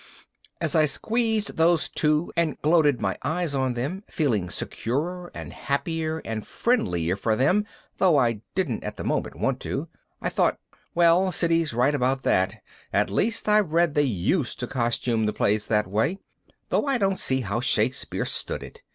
As I squeezed those two and gloated my eyes on them, feeling securer and happier and friendlier for them though I didn't at the moment want to, I thought, _Well, Siddy's right about that, at least I've read they used to costume the plays that way, though I don't see how Shakespeare stood it.